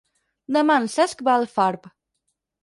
Demà en Cesc va a Alfarb.